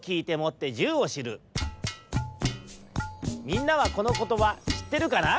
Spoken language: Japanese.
みんなはこのことばしってるかな？